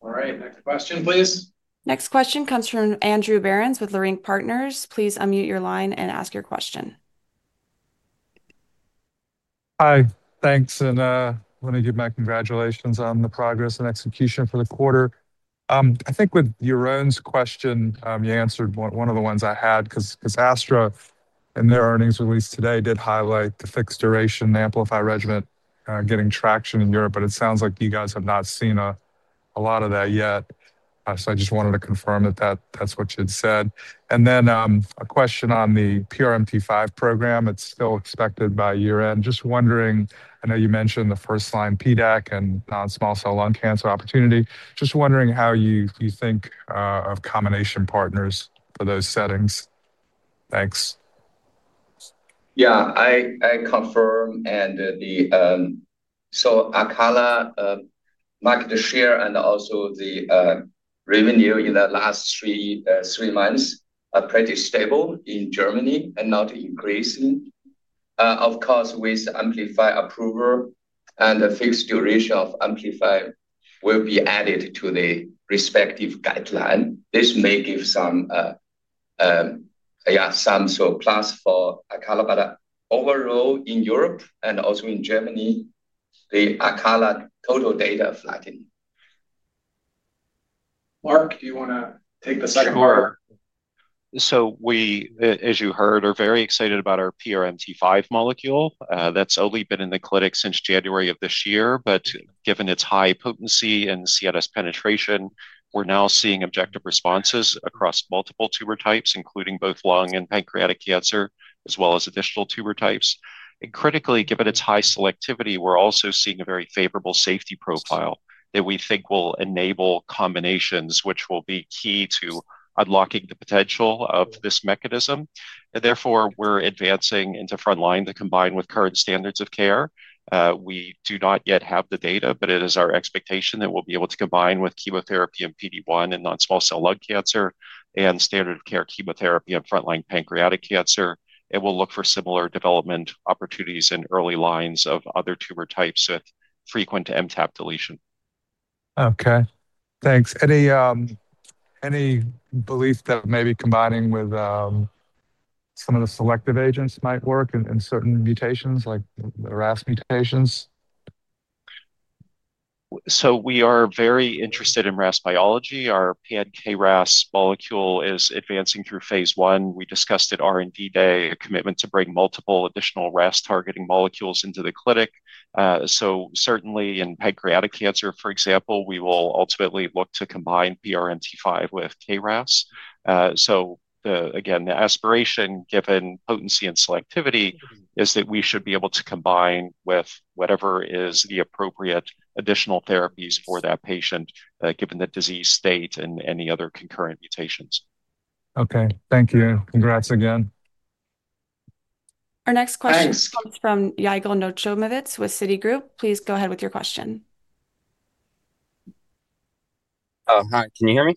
All right. Next question, please. Next question comes from Andrew Berens with Leerink Partners. Please unmute your line and ask your question. Hi. Thanks. I want to give my congratulations on the progress and execution for the quarter. I think with Yaron's question, you answered one of the ones I had because Astra and their earnings released today did highlight the fixed duration Amplify regimen getting traction in Europe, but it sounds like you guys have not seen a lot of that yet. I just wanted to confirm that that is what you said. A question on the PRMT5 program. It is still expected by year-end. Just wondering, I know you mentioned the first-line PDAC and non-small cell lung cancer opportunity. Just wondering how you think of combination partners for those settings. Thanks. Yeah. I confirm. ACALA market share and also the revenue in the last three months are pretty stable in Germany and not increasing. Of course, with Amplify approval and the fixed duration of Amplify will be added to the respective guideline. This may give some, yeah, some surplus for ACALA, but overall, in Europe and also in Germany, the ACALA total data are flattening. Mark, do you want to take the second question? Sure. We, as you heard, are very excited about our PRMT5 molecule. That's only been in the clinic since January of this year, but given its high potency and CLS penetration, we're now seeing objective responses across multiple tumor types, including both lung and pancreatic cancer, as well as additional tumor types. Critically, given its high selectivity, we're also seeing a very favorable safety profile that we think will enable combinations, which will be key to unlocking the potential of this mechanism. Therefore, we're advancing into front line to combine with current standards of care. We do not yet have the data, but it is our expectation that we'll be able to combine with chemotherapy and PD-1 in non-small cell lung cancer and standard of care chemotherapy in front line pancreatic cancer. It will look for similar development opportunities in early lines of other tumor types with frequent MTAP deletion. Okay. Thanks. Any belief that maybe combining with some of the selective agents might work in certain mutations, like the RAS mutations? We are very interested in RAS biology. Our PNK RAS molecule is advancing through phase one. We discussed at R&D day a commitment to bring multiple additional RAS-targeting molecules into the clinic. Certainly, in pancreatic cancer, for example, we will ultimately look to combine PRMT5 with KRAS. Again, the aspiration, given potency and selectivity, is that we should be able to combine with whatever is the appropriate additional therapies for that patient, given the disease state and any other concurrent mutations. Okay. Thank you. Congrats again. Thanks. Our next question comes from Yigal Nochomovitz with Citigroup. Please go ahead with your question. Hi. Can you hear me?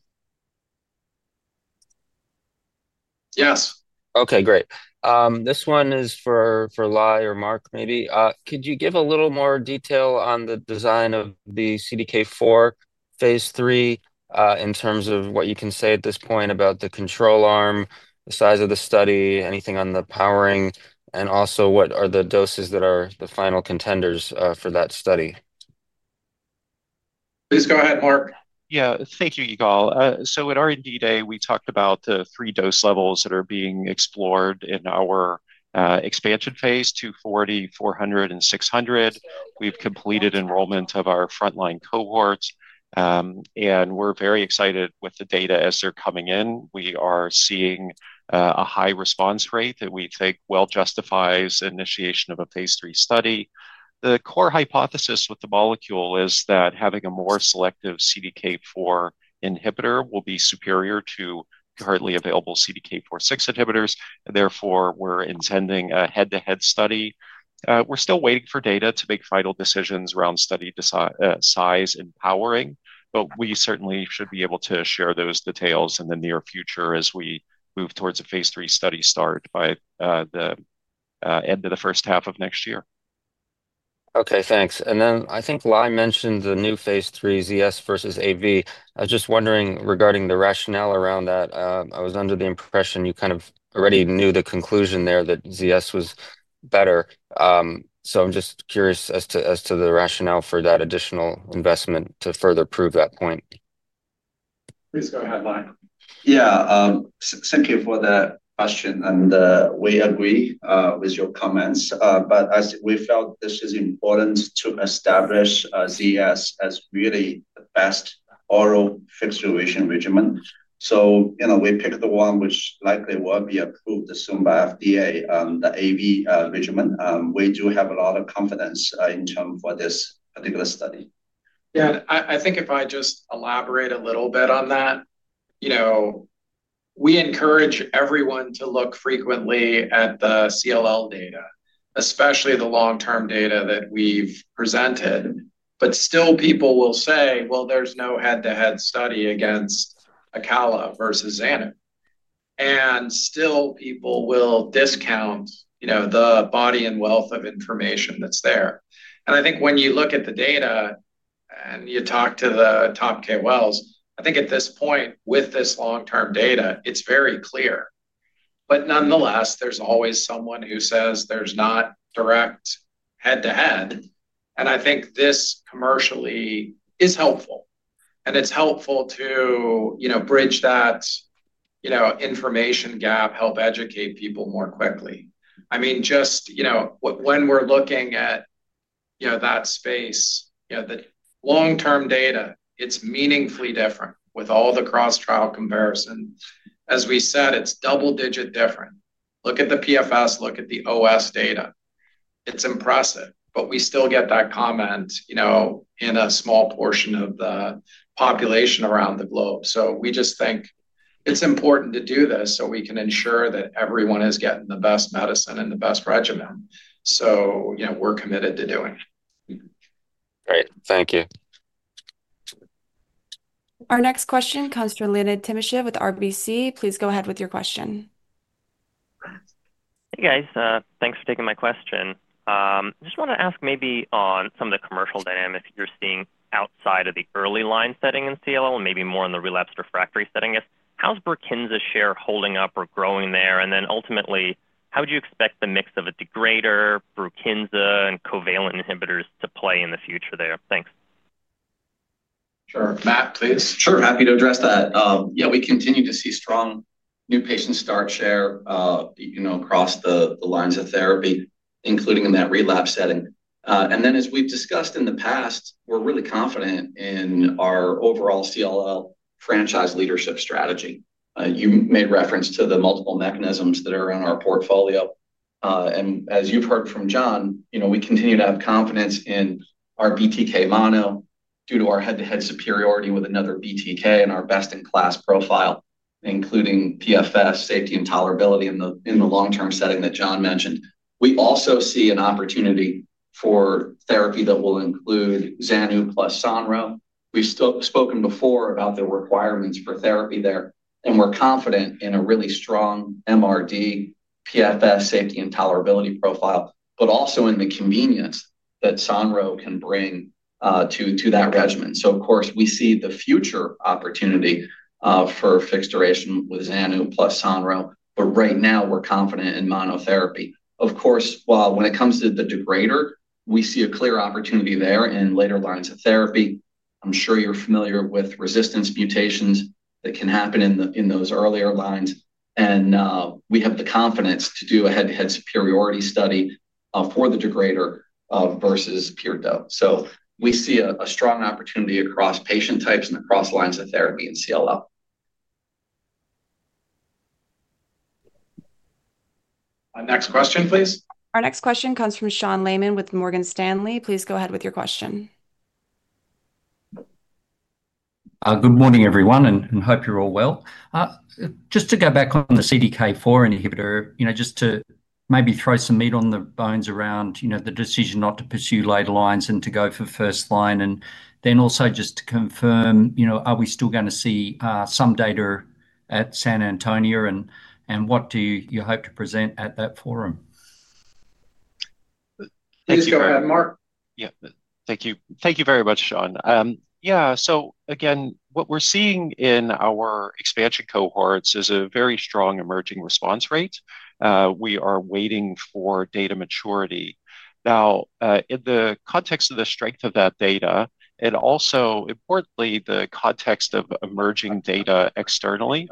Yes. Okay. Great. This one is for Lai or Mark, maybe. Could you give a little more detail on the design of the CDK4 phase III in terms of what you can say at this point about the control arm, the size of the study, anything on the powering, and also what are the doses that are the final contenders for that study? Please go ahead, Mark. Yeah. Thank you, Yigal. At R&D day, we talked about the three dose levels that are being explored in our expansion phase: 240, 400, and 600. We've completed enrollment of our front line cohorts. We're very excited with the data as they're coming in. We are seeing a high response rate that we think well justifies initiation of a phase III study. The core hypothesis with the molecule is that having a more selective CDK4 inhibitor will be superior to currently available CDK4/6 inhibitors. Therefore, we're intending a head-to-head study. We're still waiting for data to make final decisions around study size and powering, but we certainly should be able to share those details in the near future as we move towards a phase three study start by the end of the first half of next year. Okay. Thanks. I think Lai mentioned the new phase III, ZS versus AV. I was just wondering regarding the rationale around that. I was under the impression you kind of already knew the conclusion there that ZS was better. I'm just curious as to the rationale for that additional investment to further prove that point. Please go ahead, Lai. Yeah. Thank you for the question. We agree with your comments. We felt this is important to establish ZS as really the best oral fixed duration regimen. We picked the one which likely will be approved soon by FDA, the AV regimen. We do have a lot of confidence in terms for this particular study. Yeah. I think if I just elaborate a little bit on that. We encourage everyone to look frequently at the CLL data, especially the long-term data that we've presented. Still, people will say, "Well, there's no head-to-head study against. ACALA vs Xanet. Still, people will discount the body and wealth of information that's there. I think when you look at the data and you talk to the top KOLs, I think at this point, with this long-term data, it's very clear. Nonetheless, there's always someone who says there's not direct head-to-head. I think this commercially is helpful. It's helpful to bridge that information gap, help educate people more quickly. I mean, just when we're looking at that space, the long-term data, it's meaningfully different with all the cross-trial comparisons. As we said, it's double-digit different. Look at the PFS, look at the OS data. It's impressive. We still get that comment in a small portion of the population around the globe. We just think it's important to do this so we can ensure that everyone is getting the best medicine and the best regimen. We're committed to doing it. Great. Thank you. Our next question comes from Leonid Timashev with RBC. Please go ahead with your question. Hey, guys. Thanks for taking my question. I just want to ask maybe on some of the commercial dynamics you're seeing outside of the early line setting in CLL and maybe more in the relapsed refractory setting. How's BRUKINSA®'s share holding up or growing there? Ultimately, how would you expect the mix of a degrader, BRUKINSA®, and covalent inhibitors to play in the future there? Thanks. Sure. Matt, please. Sure. Happy to address that. Yeah, we continue to see strong new patient start share across the lines of therapy, including in that relapse setting. As we've discussed in the past, we're really confident in our overall CLL franchise leadership strategy. You made reference to the multiple mechanisms that are in our portfolio. As you've heard from John, we continue to have confidence in our BTK mono due to our head-to-head superiority with another BTK and our best-in-class profile, including PFS, safety, and tolerability in the long-term setting that John mentioned. We also see an opportunity for therapy that will include Zanu+Sonro. We've spoken before about the requirements for therapy there. We're confident in a really strong MRD, PFS, safety, and tolerability profile, but also in the convenience that Sonro can bring to that regimen. Of course, we see the future opportunity for fixed duration with Zanu+Sonro. Right now, we're confident in monotherapy. Of course, when it comes to the degrader, we see a clear opportunity there in later lines of therapy. I'm sure you're familiar with resistance mutations that can happen in those earlier lines. We have the confidence to do a head-to-head superiority study for the degrader versus pure dope. We see a strong opportunity across patient types and across lines of therapy in CLL. Next question, please. Our next question comes from Sean Laaman with Morgan Stanley. Please go ahead with your question. Good morning, everyone, and hope you're all well. Just to go back on the CDK4 inhibitor, just to maybe throw some meat on the bones around the decision not to pursue later lines and to go for first line. Also, just to confirm, are we still going to see some data at San Antonio? What do you hope to present at that forum? Thank you. Go ahead, Mark. Yeah. Thank you. Thank you very much, Sean. Yeah. Again, what we're seeing in our expansion cohorts is a very strong emerging response rate. We are waiting for data maturity. Now, in the context of the strength of that data, and also importantly, the context of emerging data externally.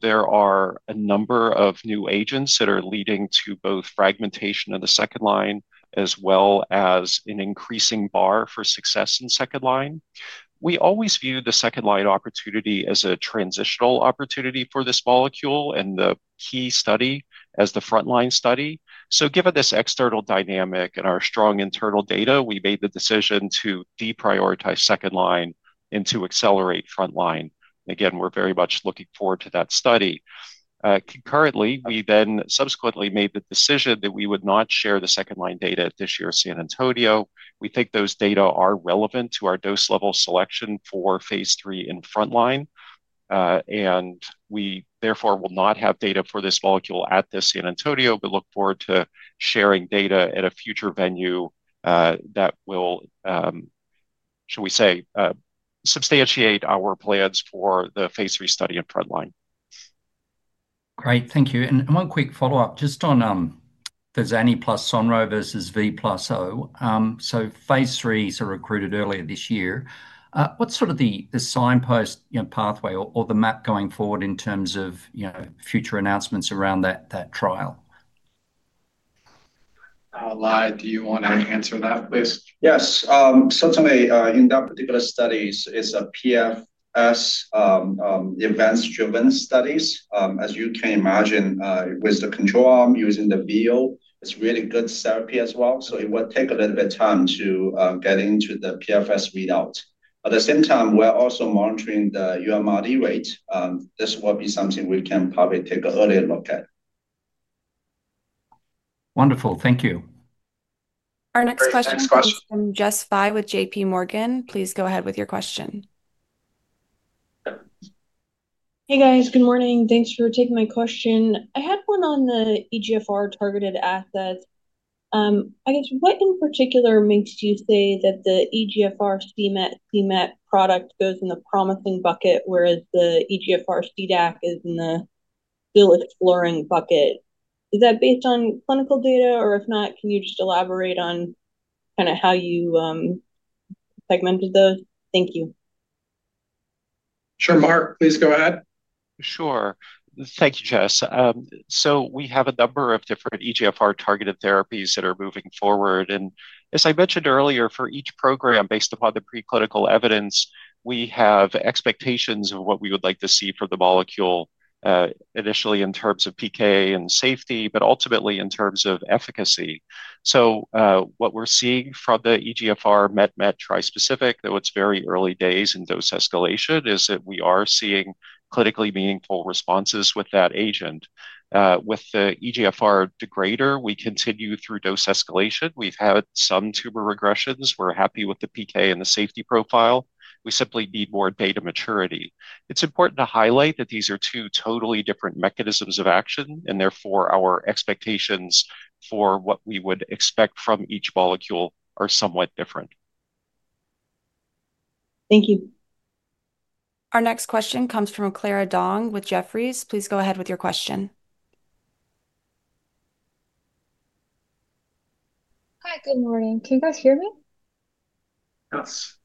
There are a number of new agents that are leading to both fragmentation of the second line as well as an increasing bar for success in second line. We always view the second line opportunity as a transitional opportunity for this molecule and the key study as the front line study. Given this external dynamic and our strong internal data, we made the decision to deprioritize second line and to accelerate front line. Again, we're very much looking forward to that study. Concurrently, we then subsequently made the decision that we would not share the second line data at this year's San Antonio. We think those data are relevant to our dose level selection for phase three in front line. We, therefore, will not have data for this molecule at this San Antonio, but look forward to sharing data at a future venue that will, shall we say, substantiate our plans for the phase III study in front line. Great. Thank you. One quick follow-up just on the Zanu plus Sonro vs V+O. Phase threes are recruited earlier this year. What is sort of the signpost pathway or the map going forward in terms of future announcements around that trial? Lai, do you want to answer that, please? Yes. Certainly, in that particular study, it is a PFS, advanced-driven studies. As you can imagine, with the control arm using the VO, it's really good therapy as well. It will take a little bit of time to get into the PFS readout. At the same time, we're also monitoring the UMRD rate. This will be something we can probably take an earlier look at. Wonderful. Thank you. Our next question comes from Jess Fye with JP Morgan. Please go ahead with your question. Hey, guys. Good morning. Thanks for taking my question. I had one on the EGFR targeted assets. I guess, what in particular makes you say that the EGFR CMET product goes in the promising bucket, whereas the EGFR CDAC is in the still exploring bucket? Is that based on clinical data? Or if not, can you just elaborate on kind of how you segmented those? Thank you. Sure, Mark. Please go ahead. Sure. Thank you, Jess. We have a number of different EGFR targeted therapies that are moving forward. As I mentioned earlier, for each program, based upon the preclinical evidence, we have expectations of what we would like to see for the molecule. Initially in terms of PK and safety, but ultimately in terms of efficacy. What we're seeing from the EGFR MET/MET trispecific, though it's very early days in dose escalation, is that we are seeing clinically meaningful responses with that agent. With the EGFR degrader, we continue through dose escalation. We've had some tumor regressions. We're happy with the PK and the safety profile. We simply need more data maturity. It's important to highlight that these are two totally different mechanisms of action, and therefore our expectations for what we would expect from each molecule are somewhat different. Thank you. Our next question comes from Clara Dong with Jefferies. Please go ahead with your question. Hi. Good morning. Can you guys hear me? Yes.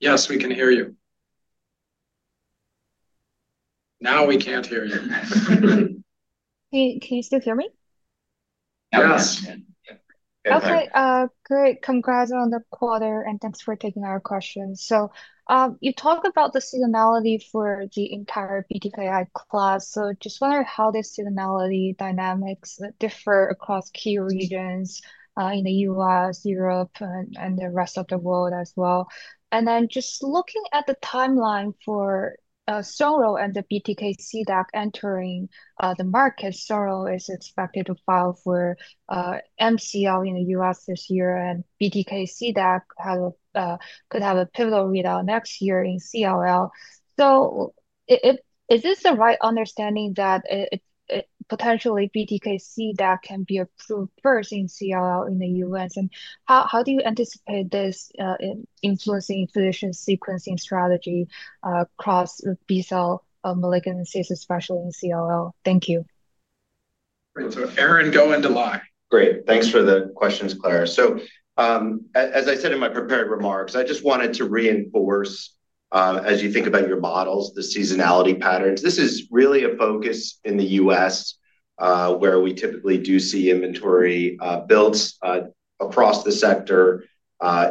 Yes, we can hear you. Now we can't hear you. Can you still hear me? Yes. Okay. Great. Congrats on the quarter, and thanks for taking our questions. You talked about the seasonality for the entire BTKI class. I just wonder how the seasonality dynamics differ across key regions in the U.S., Europe, and the rest of the world as well. Just looking at the timeline for Sonro and the BTK CDAC entering the market, Sonro is expected to file for MCL in the U.S. this year, and BTK CDAC could have a pivotal readout next year in CLL. Is this the right understanding that potentially BTK CDAC can be approved first in CLL in the U.S.? How do you anticipate this influencing physician sequencing strategy. Across B-cell malignancies, especially in CLL? Thank you. Great. So Aaron, go into Lai. Great. Thanks for the questions, Clara. As I said in my prepared remarks, I just wanted to reinforce, as you think about your models, the seasonality patterns. This is really a focus in the U.S. where we typically do see inventory builds across the sector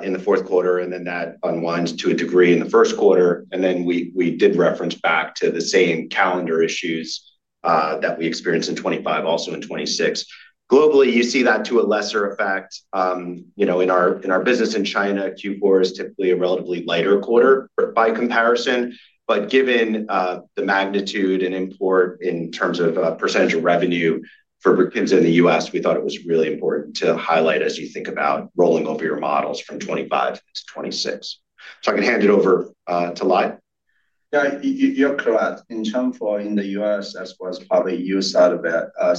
in the fourth quarter, and then that unwinds to a degree in the first quarter. We did reference back to the same calendar issues that we experienced in 2025, also in 2026. Globally, you see that to a lesser effect. In our business in China, Q4 is typically a relatively lighter quarter by comparison. Given the magnitude and import in terms of % of revenue for BRUKINSA® in the U.S., we thought it was really important to highlight as you think about rolling over your models from 2025 to 2026. I can hand it over to Lai. Yeah. You're correct. In terms for in the U.S., as far as probably you said,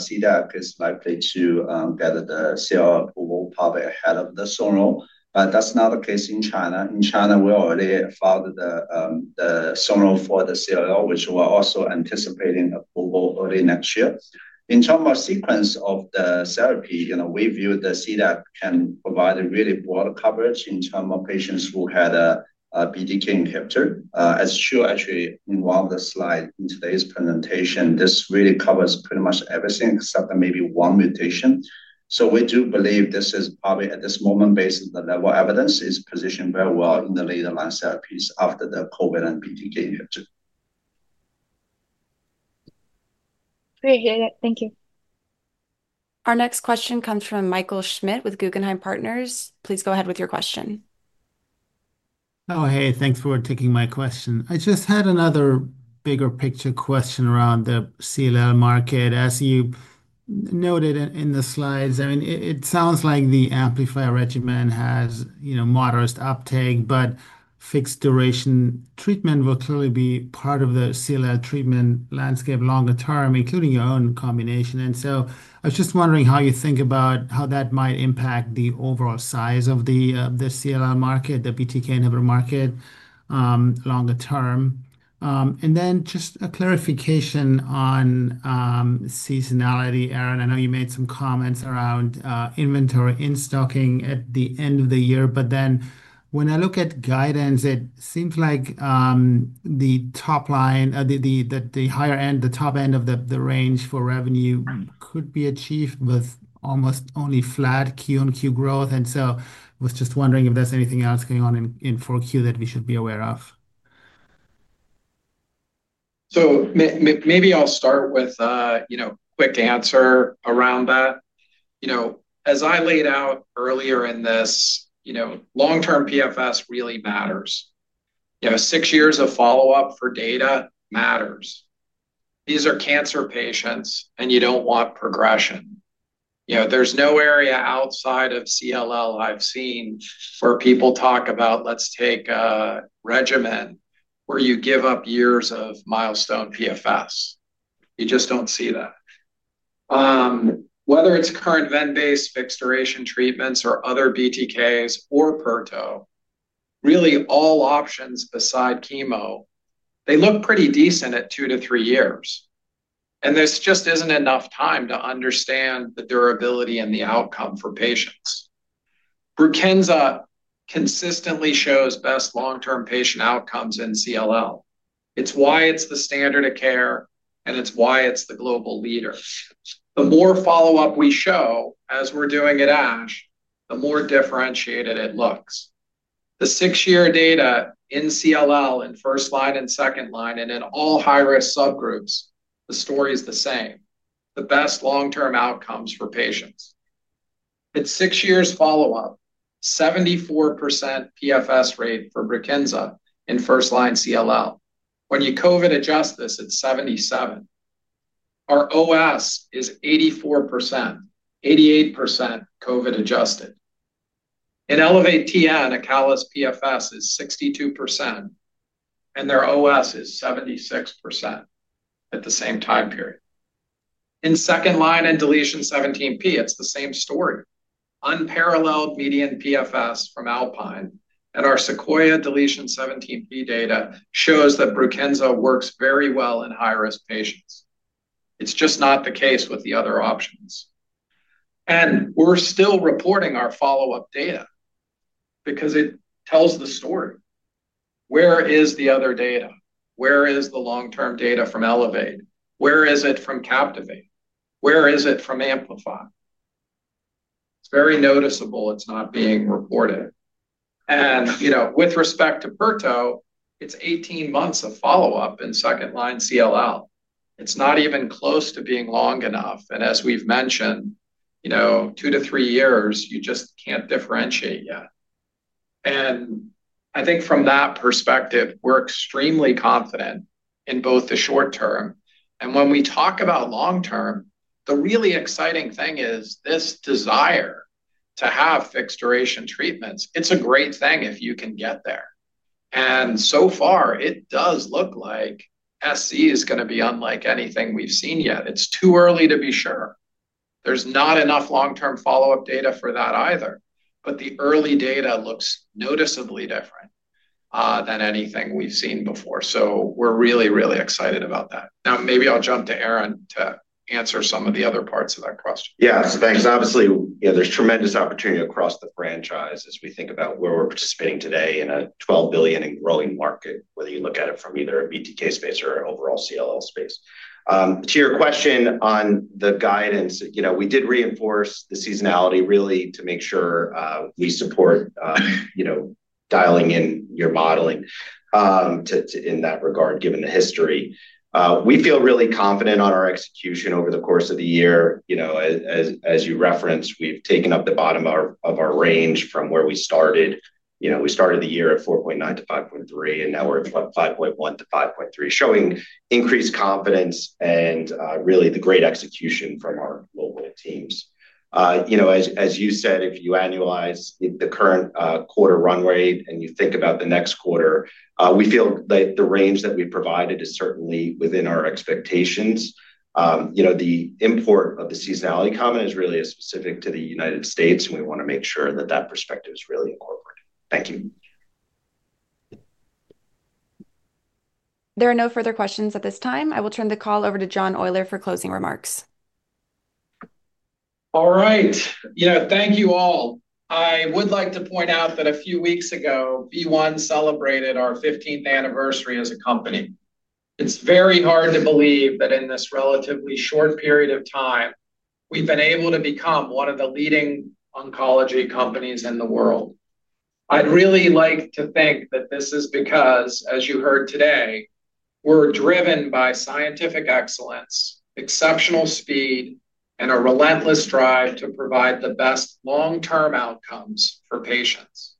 CDAC is likely to get the CLL approval probably ahead of the Sonro. That is not the case in China. In China, we already found the Sonro for the CLL, which we're also anticipating approval early next year. In terms of sequence of the therapy, we view the CDAC can provide a really broad coverage in terms of patients who had a BTK inhibitor. As Shu actually involved the slide in today's presentation, this really covers pretty much everything except maybe one mutation. We do believe this is probably at this moment, based on the level of evidence, is positioned very well in the later line therapies after the covalent BTK inhibitor. Great. Thank you. Our next question comes from Michael Schmidt with Guggenheim Partners. Please go ahead with your question. Oh, hey. Thanks for taking my question. I just had another bigger picture question around the CLL market. As you noted in the slides, I mean, it sounds like the amplifier regimen has modest uptake, but fixed duration treatment will clearly be part of the CLL treatment landscape longer term, including your own combination. I was just wondering how you think about how that might impact the overall size of the CLL market, the BTK inhibitor market. Longer term. And then just a clarification on seasonality. Aaron, I know you made some comments around inventory and stocking at the end of the year, but then when I look at guidance, it seems like the top line, the higher end, the top end of the range for revenue could be achieved with almost only flat Q on Q growth. I was just wondering if there's anything else going on in 4Q that we should be aware of. Maybe I'll start with a quick answer around that. As I laid out earlier in this, long-term PFS really matters. Six years of follow-up for data matters. These are cancer patients, and you don't want progression. There's no area outside of CLL I've seen where people talk about, "Let's take a regimen where you give up years of milestone PFS." You just don't see that. Whether it's current ven-based fixed duration treatments or other BTKs or PRTO, really all options beside chemo, they look pretty decent at two to three years. This just isn't enough time to understand the durability and the outcome for patients. BRUKINSA® consistently shows best long-term patient outcomes in CLL. It's why it's the standard of care, and it's why it's the global leader. The more follow-up we show as we're doing at ASH, the more differentiated it looks. The six-year data in CLL in first line and second line, and in all high-risk subgroups, the story is the same. The best long-term outcomes for patients. At six years follow-up, 74% PFS rate for BRUKINSA® in first line CLL. When you COVID adjust this, it's 77%. Our OS is 84%. 88% COVID adjusted. In Elevate TN, acalabrutinib PFS is 62%. Their OS is 76%. At the same time period. In second line and deletion 17P, it's the same story. Unparalleled median PFS from Alpine, and our Sequoia deletion 17P data shows that BRUKINSA® works very well in high-risk patients. It's just not the case with the other options. We're still reporting our follow-up data because it tells the story. Where is the other data? Where is the long-term data from Elevate? Where is it from Captivate? Where is it from Amplify? It's very noticeable it's not being reported. With respect to PRTO, it's 18 months of follow-up in second line CLL. It's not even close to being long enough. As we've mentioned, two to three years, you just can't differentiate yet. I think from that perspective, we're extremely confident in both the short term. When we talk about long term, the really exciting thing is this desire to have fixed duration treatments. It's a great thing if you can get there. So far, it does look like SC is going to be unlike anything we've seen yet. It's too early to be sure. There's not enough long-term follow-up data for that either. The early data looks noticeably different than anything we've seen before. We're really, really excited about that. Maybe I'll jump to Aaron to answer some of the other parts of that question. Yeah. Thanks. Obviously, there's tremendous opportunity across the franchise as we think about where we're participating today in a $12 billion and growing market, whether you look at it from either a BTK space or an overall CLL space. To your question on the guidance, we did reinforce the seasonality really to make sure we support dialing in your modeling. In that regard, given the history, we feel really confident on our execution over the course of the year. As you referenced, we've taken up the bottom of our range from where we started. We started the year at $4.9 billion-$5.3 billion, and now we're at $5.1 billion-$5.3 billion, showing increased confidence and really the great execution from our local teams. As you said, if you annualize the current quarter run rate and you think about the next quarter, we feel that the range that we provided is certainly within our expectations. The import of the seasonality comment is really specific to the U.S., and we want to make sure that that perspective is really incorporated. Thank you. There are no further questions at this time. I will turn the call over to John Oyler for closing remarks. All right. Thank you all. I would like to point out that a few weeks ago, BeOne Medicines celebrated our 15th anniversary as a company. It's very hard to believe that in this relatively short period of time, we've been able to become one of the leading oncology companies in the world. I'd really like to think that this is because, as you heard today, we're driven by scientific excellence, exceptional speed, and a relentless drive to provide the best long-term outcomes for patients.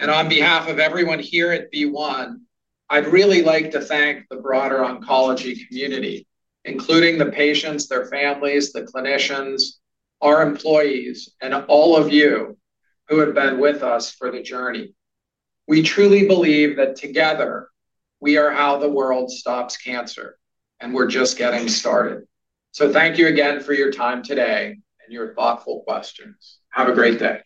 On behalf of everyone here at BeOne Medicines, I'd really like to thank the broader oncology community, including the patients, their families, the clinicians, our employees, and all of you who have been with us for the journey. We truly believe that together, we are how the world stops cancer, and we're just getting started. Thank you again for your time today and your thoughtful questions. Have a great day.